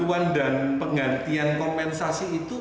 bantuan dan penggantian kompensasi itu